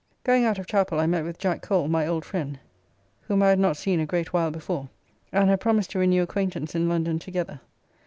Going out of chapel I met with Jack Cole, my old friend (whom I had not seen a great while before), and have promised to renew acquaintance in London together.